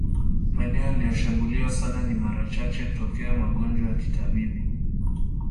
Maeneo yalioshambuliwa sana ni marachache kutokea magonjwa ya kitabibu